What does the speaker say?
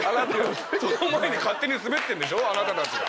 その前に勝手にスベってんでしょあなたたちが。